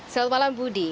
selamat malam budi